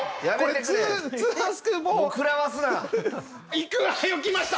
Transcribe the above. いくわよきました。